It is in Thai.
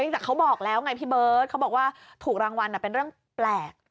แต่เขาบอกแล้วไงพี่เบิร์ตเขาบอกว่าถูกรางวัลเป็นเรื่องแปลก